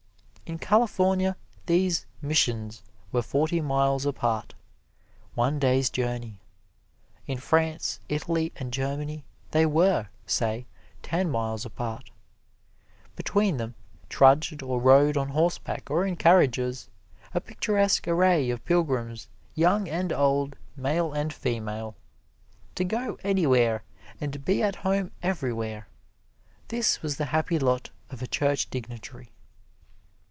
In California these "missions" were forty miles apart one day's journey. In France, Italy and Germany they were, say, ten miles apart. Between them, trudged or rode on horseback or in carriages, a picturesque array of pilgrims, young and old, male and female. To go anywhere and be at home everywhere, this was the happy lot of a church dignitary.